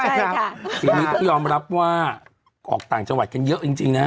ใช่ค่ะทีนี้ก็ยอมรับว่าออกต่างจังหวัดกันเยอะจริงจริงนะฮะ